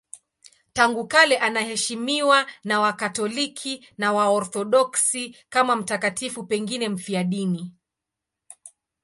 Tangu kale anaheshimiwa na Wakatoliki na Waorthodoksi kama mtakatifu, pengine mfiadini.